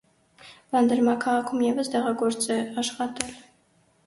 Բանդրմա քաղաքում ևս դեղագործ է աշխատել։